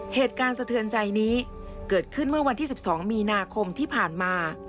สะเทือนใจนี้เกิดขึ้นเมื่อวันที่๑๒มีนาคมที่ผ่านมา